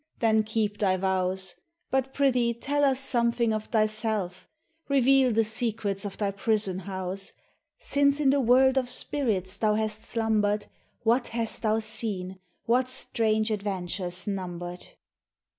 then keep thy vows ; Bat prithee tell us something of thyself, Reveal the secrets of thy prison house ; Since in the world of spirits thou hast slumbered, What hast thou seen, what strange adventures numbered